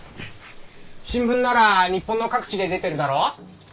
新聞なら日本の各地で出てるだろ？